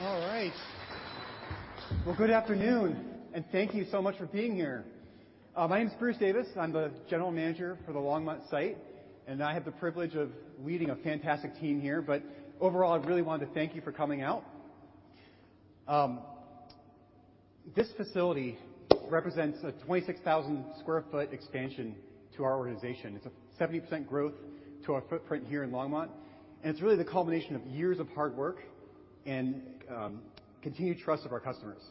All right. Well, good afternoon, and thank you so much for being here. My name is Bruce Davis. I'm the General Manager for the Longmont site, and I have the privilege of leading a fantastic team here. But overall, I really wanted to thank you for coming out. This facility represents a 26,000 sq ft expansion to our organization. It's a 70% growth to our footprint here in Longmont, and it's really the culmination of years of hard work and continued trust of our customers.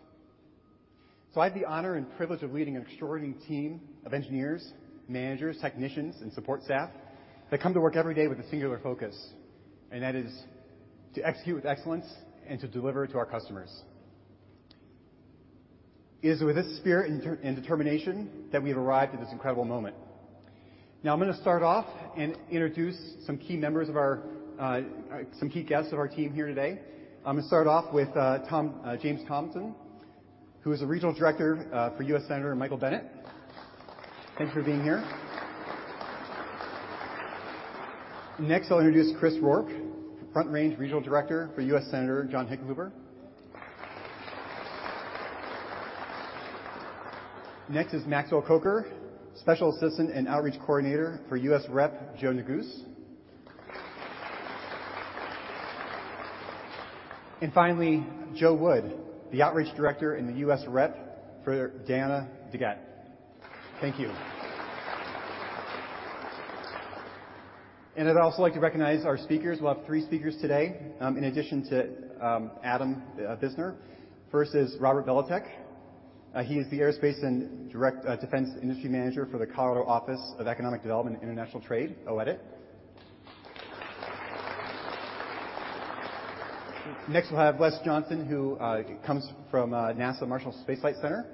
So I have the honor and privilege of leading an extraordinary team of engineers, managers, technicians, and support staff that come to work every day with a singular focus, and that is to execute with excellence and to deliver to our customers. It is with this spirit and determination that we've arrived at this incredible moment. Now, I'm gonna start off and introduce some key members of our, some key guests of our team here today. I'm gonna start off with, Tom, James Thompson, who is the regional director, for U.S. Senator Michael Bennet. Thank you for being here. Next, I'll introduce Chris Rourke, Front Range regional director for U.S. Senator John Hickenlooper. Next is Maxwell Coker, Special Assistant and Outreach Coordinator for U.S. Rep Joe Neguse. And finally, Joe Wood, the Outreach Director and the U.S. Rep for Diana DeGette. Thank you. And I'd also like to recognize our speakers. We'll have three speakers today, in addition to, Adam, Biskner. First is Robert Beletic. He is the aerospace and defense industry manager for the Colorado Office of Economic Development and International Trade, OEDIT. Next, we'll have Les Johnson, who comes from NASA Marshall Space Flight Center.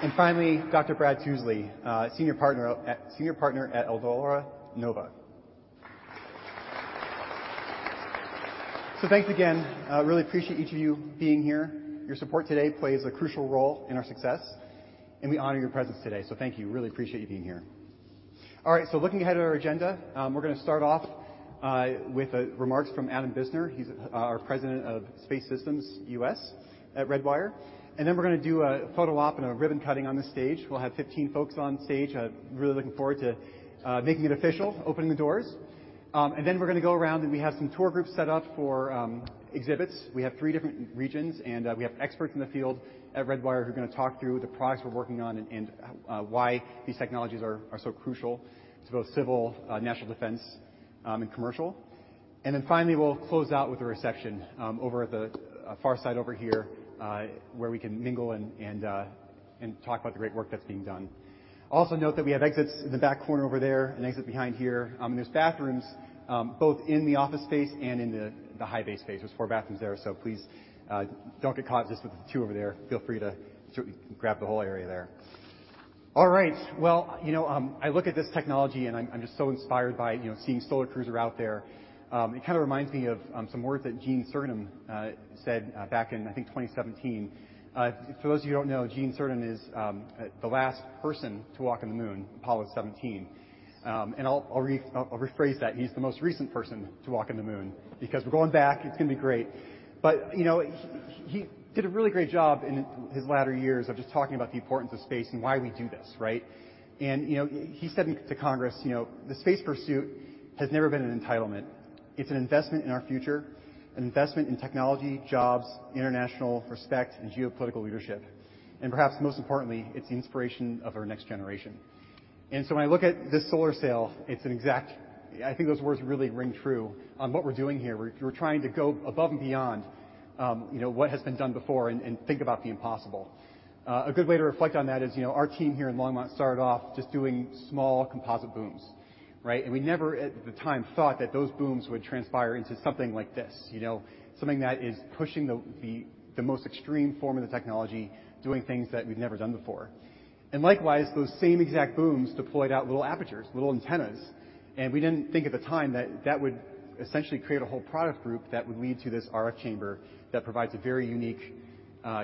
And finally, Dr. Brad Tewesley, Senior Partner at Elara Nova. So thanks again. Really appreciate each of you being here. Your support today plays a crucial role in our success, and we honor your presence today. So thank you. Really appreciate you being here. All right, so looking ahead at our agenda, we're gonna start off with remarks from Adam Biskner. He's our President of Space Systems U.S. at Redwire. And then we're gonna do a photo op and a ribbon cutting on the stage. We'll have 15 folks on stage. Really looking forward to making it official, opening the doors. And then we're gonna go around, and we have some tour groups set up for exhibits. We have three different regions, and we have experts in the field at Redwire who are gonna talk through the products we're working on and why these technologies are so crucial to both civil, national defense, and commercial. And then finally, we'll close out with a reception over at the far side over here where we can mingle and talk about the great work that's being done. Also note that we have exits in the back corner over there, an exit behind here. And there's bathrooms both in the office space and in the high bay space. There's four bathrooms there, so please don't get caught just with the two over there. Feel free to grab the whole area there. All right. Well, you know, I look at this technology, and I'm just so inspired by, you know, seeing Solar Cruiser out there. It kind of reminds me of some words that Gene Cernan said back in, I think, 2017. For those of you who don't know, Gene Cernan is the last person to walk on the moon, Apollo 17. And I'll rephrase that. He's the most recent person to walk on the moon because we're going back. It's gonna be great. But, you know, he did a really great job in his latter years of just talking about the importance of space and why we do this, right? And, you know, he said to Congress, you know, "The space pursuit has never been an entitlement. It's an investment in our future, an investment in technology, jobs, international respect, and geopolitical leadership. And perhaps most importantly, it's the inspiration of our next generation." And so when I look at this solar sail, it's an exact... I think those words really ring true on what we're doing here. We're trying to go above and beyond, you know, what has been done before and think about the impossible. A good way to reflect on that is, you know, our team here in Longmont started off just doing small composite booms, right? And we never, at the time, thought that those booms would transpire into something like this, you know, something that is pushing the most extreme form of the technology, doing things that we've never done before. Likewise, those same exact booms deployed out little apertures, little antennas, and we didn't think at the time that that would essentially create a whole product group that would lead to this RF chamber that provides a very unique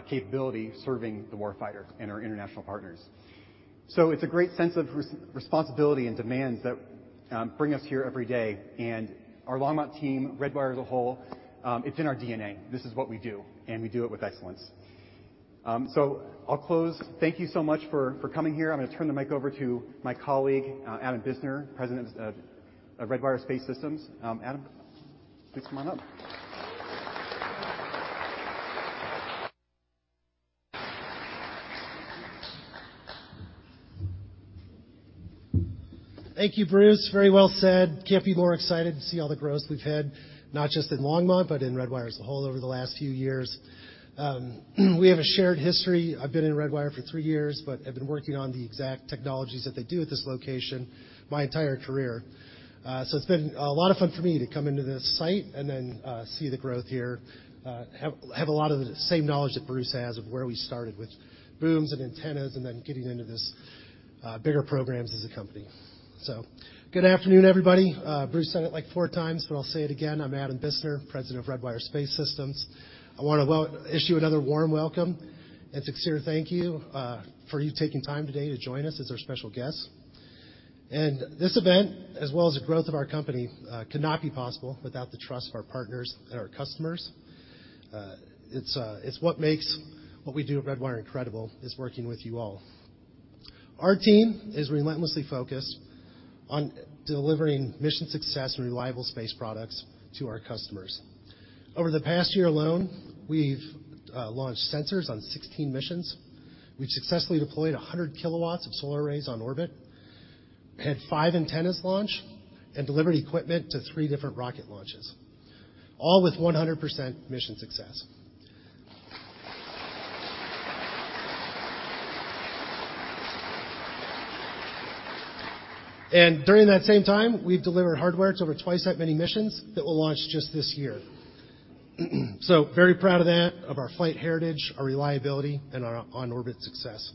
capability serving the war fighter and our international partners. So it's a great sense of responsibility and demands that bring us here every day, and our Longmont team, Redwire as a whole, it's in our DNA. This is what we do, and we do it with excellence. So I'll close. Thank you so much for coming here. I'm gonna turn the mic over to my colleague, Adam Biskner, President of Redwire Space Systems. Adam, please come on up. Thank you, Bruce. Very well said. Can't be more excited to see all the growth we've had, not just in Longmont, but in Redwire as a whole over the last few years. We have a shared history. I've been in Redwire for three years, but I've been working on the exact technologies that they do at this location my entire career. So it's been a lot of fun for me to come into this site and then see the growth here. Have a lot of the same knowledge that Bruce has of where we started, with booms and antennas and then getting into this bigger programs as a company. So good afternoon, everybody. Bruce said it, like, four times, but I'll say it again. I'm Adam Biskner, President of Redwire Space Systems. I wanna issue another warm welcome and a sincere thank you for you taking time today to join us as our special guest. And this event, as well as the growth of our company, could not be possible without the trust of our partners and our customers. It's what makes what we do at Redwire incredible, is working with you all. Our team is relentlessly focused on delivering mission success and reliable space products to our customers. Over the past year alone, we've launched sensors on 16 missions. We've successfully deployed 100 kilowatts of solar arrays on orbit, had five antennas launched, and delivered equipment to three different rocket launches, all with 100% mission success. And during that same time, we've delivered hardware to over twice that many missions that will launch just this year. So very proud of that, of our flight heritage, our reliability, and our on-orbit success.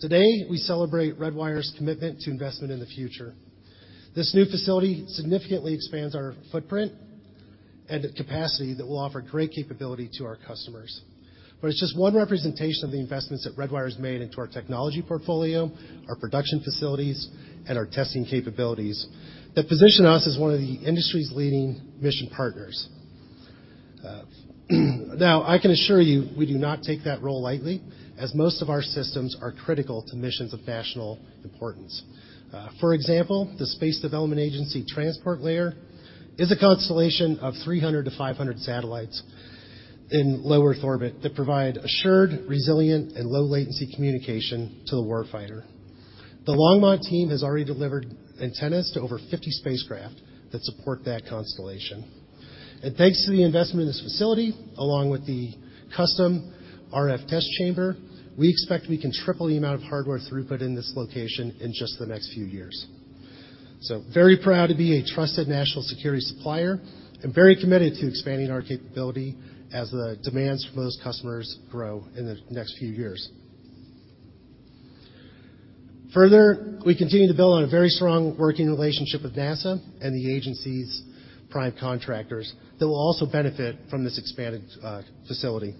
Today, we celebrate Redwire's commitment to investment in the future. This new facility significantly expands our footprint and the capacity that will offer great capability to our customers. But it's just one representation of the investments that Redwire has made into our technology portfolio, our production facilities, and our testing capabilities that position us as one of the industry's leading mission partners. Now, I can assure you, we do not take that role lightly, as most of our systems are critical to missions of national importance. For example, the Space Development Agency Transport Layer is a constellation of 300-500 satellites in low Earth orbit that provide assured, resilient, and low-latency communication to the warfighter. The Longmont team has already delivered antennas to over 50 spacecraft that support that constellation. Thanks to the investment in this facility, along with the custom RF test chamber, we expect we can triple the amount of hardware throughput in this location in just the next few years. Very proud to be a trusted national security supplier and very committed to expanding our capability as the demands from those customers grow in the next few years. Further, we continue to build on a very strong working relationship with NASA and the agency's prime contractors that will also benefit from this expanded facility.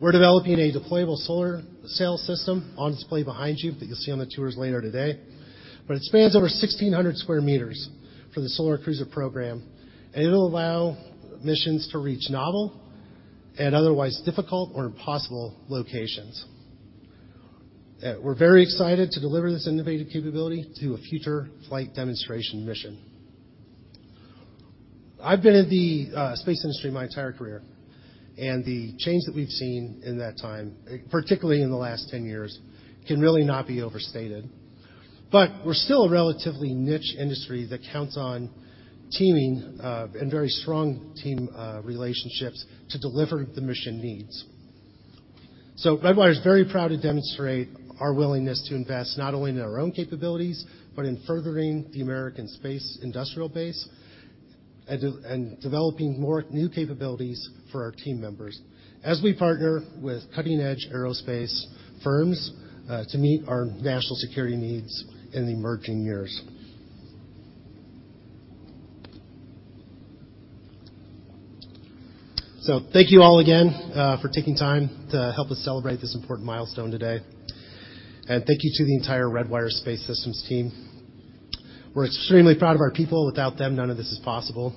We're developing a deployable solar sail system on display behind you, that you'll see on the tours later today. It spans over 1,600 square meters for the Solar Cruiser program, and it'll allow missions to reach novel and otherwise difficult or impossible locations. We're very excited to deliver this innovative capability to a future flight demonstration mission. I've been in the space industry my entire career, and the change that we've seen in that time, particularly in the last 10 years, can really not be overstated. But we're still a relatively niche industry that counts on teaming, and very strong team relationships to deliver the mission needs. So Redwire is very proud to demonstrate our willingness to invest not only in our own capabilities, but in furthering the American space industrial base, and developing more new capabilities for our team members, as we partner with cutting-edge aerospace firms, to meet our national security needs in the emerging years. So thank you all again, for taking time to help us celebrate this important milestone today. And thank you to the entire Redwire Space Systems team. We're extremely proud of our people. Without them, none of this is possible.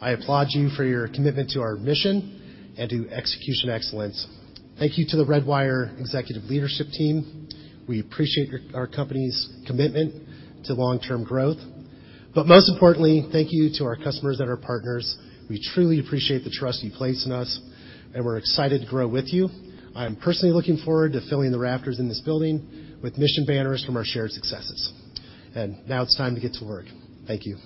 I applaud you for your commitment to our mission and to execution excellence. Thank you to the Redwire executive leadership team. We appreciate our company's commitment to long-term growth, but most importantly, thank you to our customers and our partners. We truly appreciate the trust you place in us, and we're excited to grow with you. I'm personally looking forward to filling the rafters in this building with mission banners from our shared successes. Now it's time to get to work. Thank you.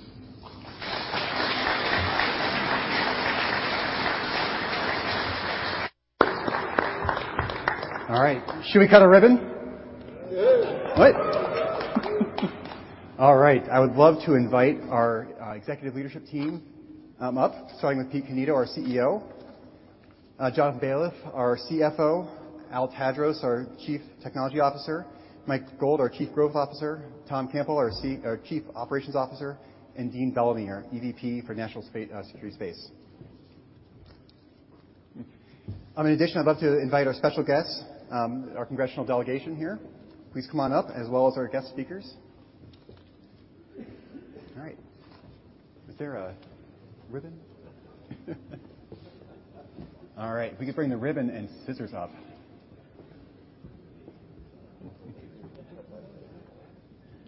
All right. Should we cut a ribbon? Yeah! What? All right, I would love to invite our executive leadership team up, starting with Pete Cannito, our CEO, Jon Baliff, our CFO, Al Tadros, our Chief Technology Officer, Mike Gold, our Chief Growth Officer, Tom Campbell, our Chief Operations Officer, and Dean Bellamy, EVP for National Security Space. In addition, I'd love to invite our special guests, our congressional delegation here. Please come on up, as well as our guest speakers. All right. Is there a ribbon? All right, if we could bring the ribbon and scissors up.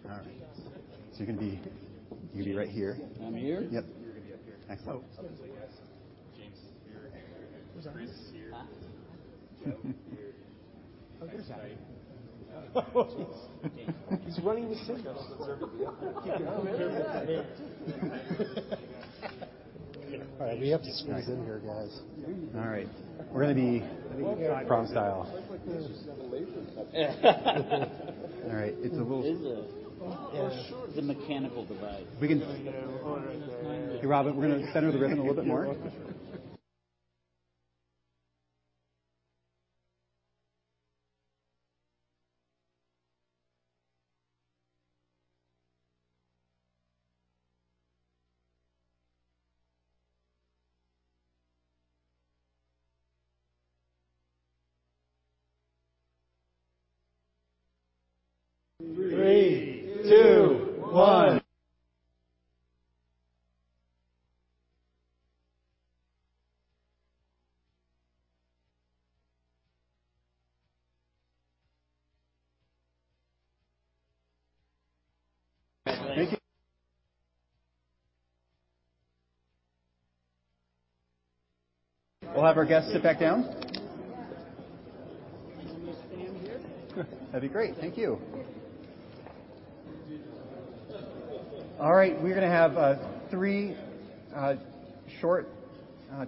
All right. So you're gonna be, you'll be right here. I'm here? Yep. You're gonna be up here. Next to- James, you're here. Chris, you're... Oh, there's... He's running with scissors. All right, we have to squeeze in here, guys. All right, we're gonna be prom style. Looks like there's just a laser. All right, it's a little- There's a- For sure. It's a mechanical device. Hey, Robert, we're gonna center the ribbon a little bit more. Three, two, one! We'll have our guests sit back down. Can we stand here? That'd be great. Thank you. All right, we're gonna have three short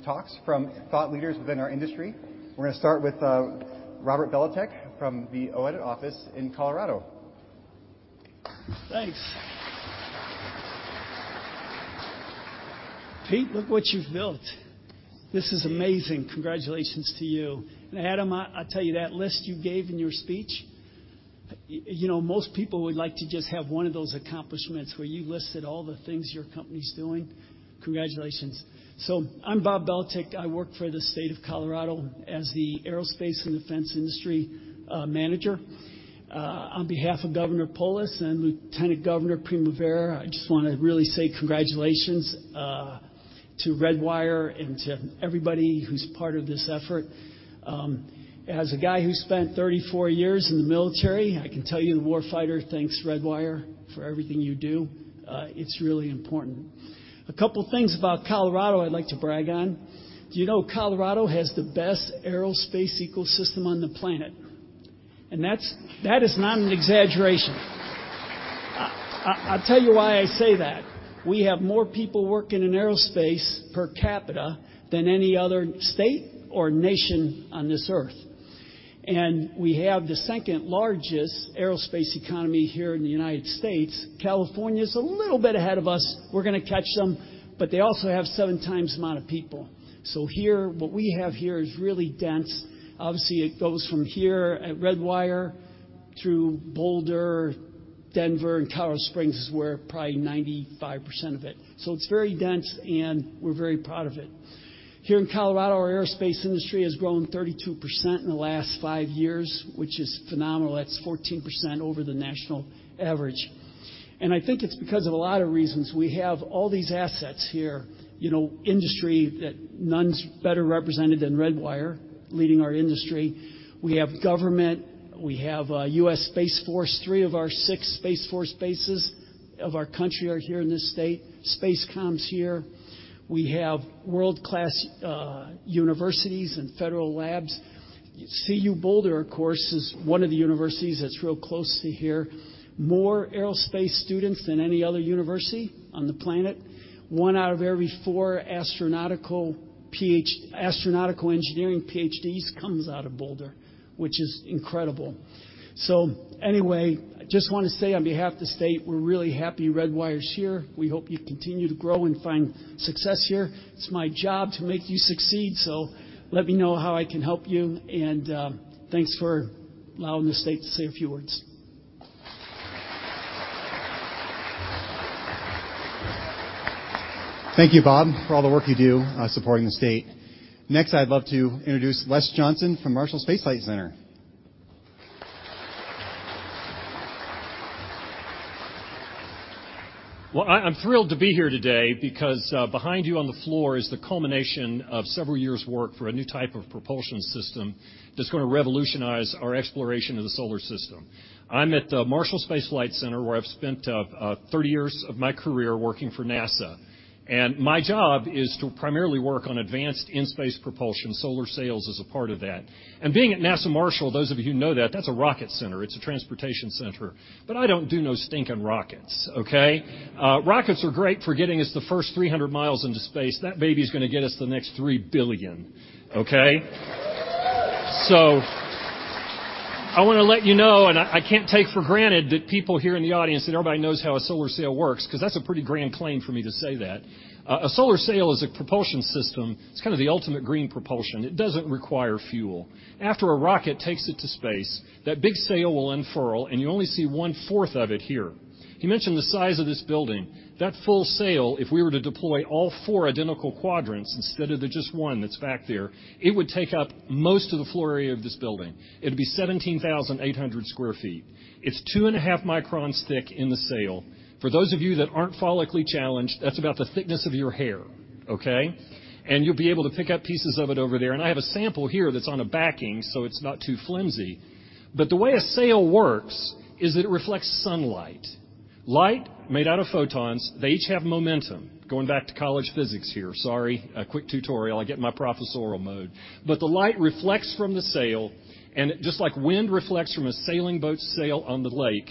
talks from thought leaders within our industry. We're gonna start with Robert Beletic from the OEDIT office in Colorado. Thanks. Pete, look what you've built. This is amazing. Congratulations to you. And Adam, I tell you, that list you gave in your speech, you know, most people would like to just have one of those accomplishments, where you listed all the things your company's doing. Congratulations. So I'm Bob Beletic. I work for the state of Colorado as the Aerospace and Defense Industry Manager. On behalf of Governor Polis and Lieutenant Governor Primavera, I just wanna really say congratulations to Redwire and to everybody who's part of this effort. As a guy who spent 34 years in the military, I can tell you, the warfighter thanks Redwire for everything you do. It's really important. A couple things about Colorado I'd like to brag on. Do you know Colorado has the best aerospace ecosystem on the planet? And that's not an exaggeration. I'll tell you why I say that. We have more people working in aerospace per capita than any other state or nation on this earth, and we have the second-largest aerospace economy here in the United States. California's a little bit ahead of us. We're gonna catch them, but they also have 7x the amount of people. So here, what we have here is really dense. Obviously, it goes from here at Redwire through Boulder. Denver and Colorado Springs is where probably 95% of it. So it's very dense, and we're very proud of it. Here in Colorado, our aerospace industry has grown 32% in the last five years, which is phenomenal. That's 14% over the national average, and I think it's because of a lot of reasons. We have all these assets here, you know, industry that none's better represented than Redwire, leading our industry. We have government. We have U.S. Space Force. Three of our six Space Force bases of our country are here in this state. SpaceCom's here. We have world-class universities and federal labs. CU Boulder, of course, is one of the universities that's real close to here. More aerospace students than any other university on the planet. One out of every four astronautical engineering PhDs comes out of Boulder, which is incredible. So anyway, I just want to say on behalf of the state, we're really happy Redwire's here. We hope you continue to grow and find success here. It's my job to make you succeed, so let me know how I can help you. And thanks for allowing the state to say a few words. Thank you, Bob, for all the work you do, supporting the state. Next, I'd love to introduce Les Johnson from Marshall Space Flight Center. Well, I'm thrilled to be here today because behind you on the floor is the culmination of several years' work for a new type of propulsion system that's gonna revolutionize our exploration of the solar system. I'm at the NASA Marshall Space Flight Center, where I've spent 30 years of my career working for NASA, and my job is to primarily work on advanced in-space propulsion. Solar sails is a part of that. And being at NASA Marshall, those of you who know that, that's a rocket center. It's a transportation center. But I don't do no stinking rockets, okay? Rockets are great for getting us the first 300 miles into space. That baby's gonna get us the next 3 billion, okay? So I wanna let you know, and I, I can't take for granted, that people here in the audience, that everybody knows how a solar sail works, 'cause that's a pretty grand claim for me to say that. A Solar Sail is a propulsion system. It's kind of the ultimate green propulsion. It doesn't require fuel. After a rocket takes it to space, that big sail will unfurl, and you only see one-fourth of it here. He mentioned the size of this building. That full sail, if we were to deploy all four identical quadrants instead of the just one that's back there, it would take up most of the floor area of this building. It'd be 17,800 sq ft. It's 2.5 microns thick in the sail. For those of you that aren't follicly challenged, that's about the thickness of your hair, okay? You'll be able to pick up pieces of it over there, and I have a sample here that's on a backing, so it's not too flimsy. But the way a sail works is that it reflects sunlight. Light made out of photons, they each have momentum. Going back to college physics here, sorry. A quick tutorial, I get in my professorial mode. But the light reflects from the sail, and just like wind reflects from a sailing boat's sail on the lake,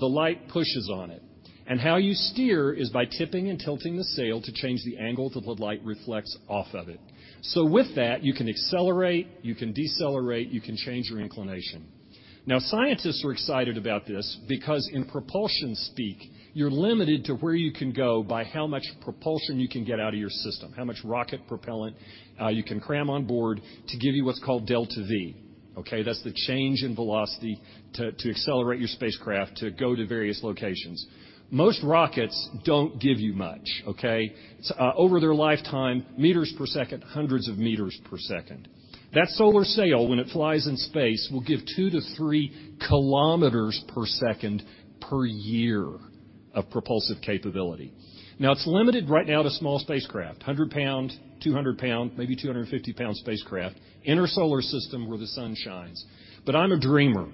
the light pushes on it, and how you steer is by tipping and tilting the sail to change the angle that the light reflects off of it. So with that, you can accelerate, you can decelerate, you can change your inclination. Now, scientists are excited about this because in propulsion speak, you're limited to where you can go by how much propulsion you can get out of your system, how much rocket propellant you can cram on board to give you what's called Delta-V. Okay, that's the change in velocity to accelerate your spacecraft to go to various locations. Most rockets don't give you much, okay? So, over their lifetime, meters per second, hundreds of meters per second. That solar sail, when it flies in space, will give 2-3 kilometers per second per year of propulsive capability. Now, it's limited right now to small spacecraft, 100-pound, 200-pound, maybe 250-pound spacecraft, inner solar system where the sun shines. But I'm a dreamer,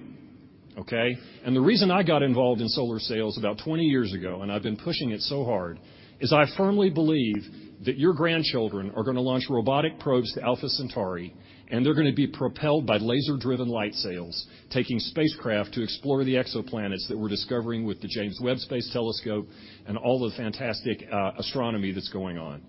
okay? The reason I got involved in solar sails about 20 years ago, and I've been pushing it so hard, is I firmly believe that your grandchildren are gonna launch robotic probes to Alpha Centauri, and they're gonna be propelled by laser-driven light sails, taking spacecraft to explore the exoplanets that we're discovering with the James Webb Space Telescope and all the fantastic astronomy that's going on.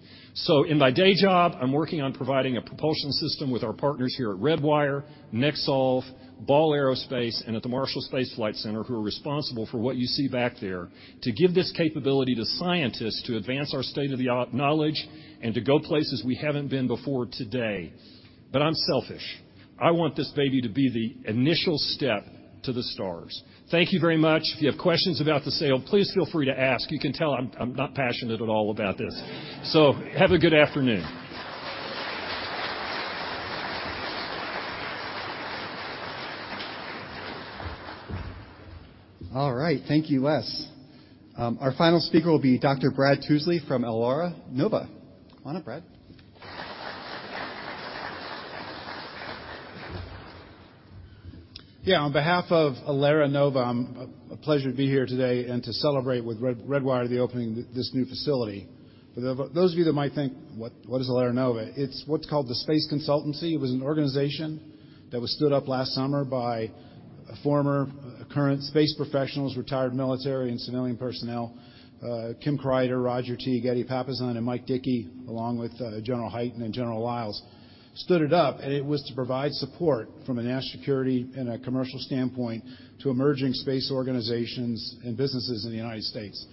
In my day job, I'm working on providing a propulsion system with our partners here at Redwire, NeXolve, Ball Aerospace, and at the Marshall Space Flight Center, who are responsible for what you see back there, to give this capability to scientists to advance our state-of-the-art knowledge and to go places we haven't been before today. But I'm selfish. I want this baby to be the initial step to the stars. Thank you very much. If you have questions about the sail, please feel free to ask. You can tell I'm not passionate at all about this. So have a good afternoon. All right. Thank you, Les. Our final speaker will be Dr. Brad Tousley from Elara Nova. Come on up, Brad. Yeah, on behalf of Elara Nova, a pleasure to be here today and to celebrate with Redwire the opening of this new facility. For those of you that might think, "What? What is Elara Nova?" It's what's called the space consultancy. It was an organization that was stood up last summer by former current space professionals, retired military, and civilian personnel. Kim Crider, Roger Teets, Jettie Papazian, and Mike Dickey, along with General Hyten and General Lyles, stood it up, and it was to provide support from a national security and a commercial standpoint to emerging space organizations and businesses in the United States.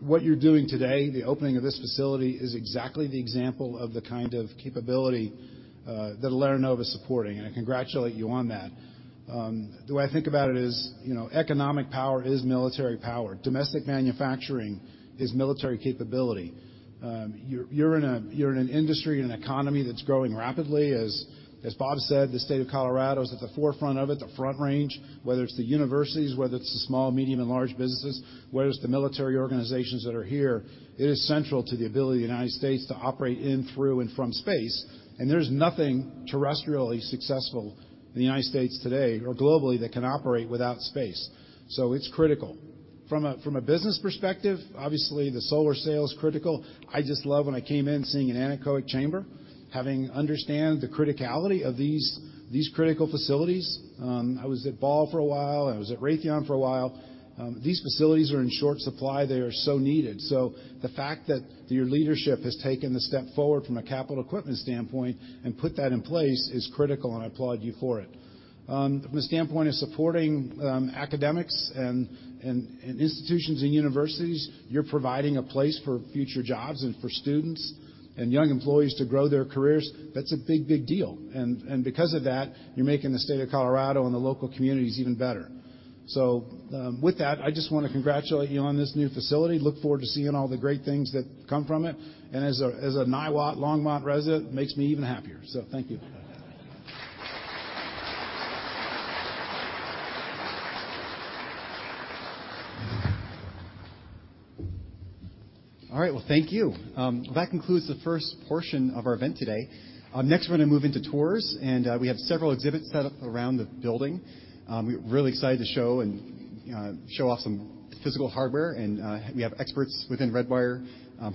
What you're doing today, the opening of this facility, is exactly the example of the kind of capability that Elara Nova is supporting, and I congratulate you on that. The way I think about it is, you know, economic power is military power. Domestic manufacturing is military capability. You're in an industry and an economy that's growing rapidly. As Bob said, the state of Colorado is at the forefront of it, the Front Range, whether it's the universities, whether it's the small, medium, and large businesses, whether it's the military organizations that are here, it is central to the ability of the United States to operate in, through, and from space, and there's nothing terrestrially successful in the United States today or globally that can operate without space. So it's critical. From a business perspective, obviously, the solar sail is critical. I just love when I came in, seeing an anechoic chamber, having understood the criticality of these critical facilities. I was at Ball for a while, and I was at Raytheon for a while. These facilities are in short supply. They are so needed. So the fact that your leadership has taken the step forward from a capital equipment standpoint and put that in place is critical, and I applaud you for it. From the standpoint of supporting academics and institutions and universities, you're providing a place for future jobs and for students and young employees to grow their careers, that's a big, big deal. And because of that, you're making the state of Colorado and the local communities even better. So with that, I just want to congratulate you on this new facility. Look forward to seeing all the great things that come from it, and as a Niwot Longmont resident, makes me even happier. So thank you. All right. Well, thank you. That concludes the first portion of our event today. Next, we're gonna move into tours, and we have several exhibits set up around the building. We're really excited to show and show off some physical hardware, and we have experts within Redwire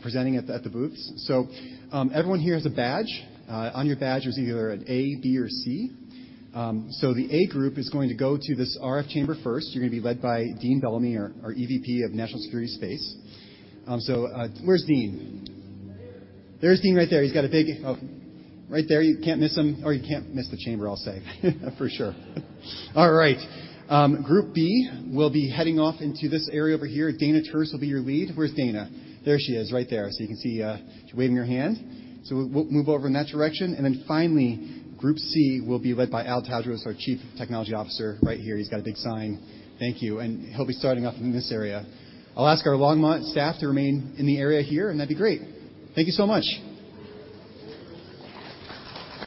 presenting at the booths. So, everyone here has a badge. On your badge, there's either an A, B, or C. So the A group is going to go to this RF chamber first. You're gonna be led by Dean Bellamy, our EVP of National Security Space. So, where's Dean? There. There's Dean right there. He's got a big... Oh, right there. You can't miss him, or you can't miss the chamber, I'll say, for sure. All right. Group B will be heading off into this area over here. Dana Turse will be your lead. Where's Dana? There she is, right there. So you can see, she's waving her hand. So we'll move over in that direction, and then finally, group C will be led by Al Tadros, our Chief Technology Officer, right here. He's got a big sign. Thank you, and he'll be starting off in this area. I'll ask our Longmont staff to remain in the area here, and that'd be great. Thank you so much!